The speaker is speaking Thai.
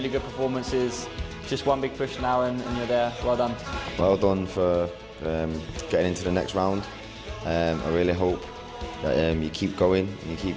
ขอร้องครับและบทสุดท้ายสำเร็จ